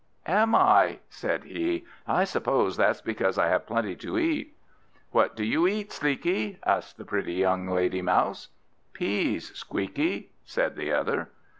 "Am I?" said he. "I suppose that's because I have plenty to eat." "What do you eat, Sleekie?" asked the pretty young lady Mouse. "Peas, Squeakie," said the other.